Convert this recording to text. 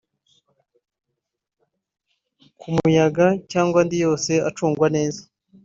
ku muyaga cyangwa andi yose acungwa neza